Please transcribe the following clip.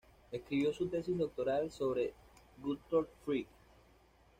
Escribió su tesis doctoral sobre Gottlob Frege.